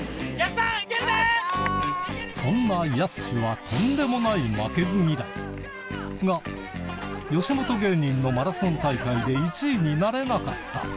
そんなやすしは、とんでもない負けず嫌い、が、吉本芸人のマラソン大会で１位になれなかった。